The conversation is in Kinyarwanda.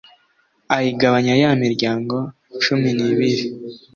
ayigabanya ya miryango cumi n’ibiri.